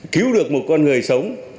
cứu được một con người sống